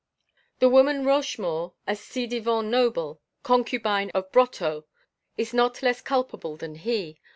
"The woman Rochemaure, a ci devant noble, concubine of Brotteaux, is not less culpable than he.